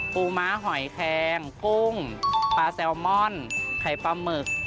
ม้าหอยแคงกุ้งปลาแซลมอนไข่ปลาหมึก